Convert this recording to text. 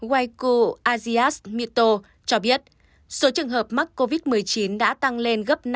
waiku azias mito cho biết số trường hợp mắc covid một mươi chín đã tăng lên gấp năm lần